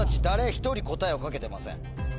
一人答えを書けてません。